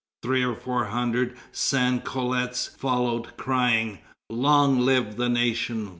Three or four hundred sans culottes followed, crying 'Long live the nation!